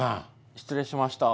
失礼しました。